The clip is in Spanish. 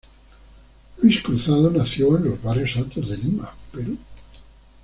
Luis Cruzado nació en los Barrios Altos de Lima, Perú.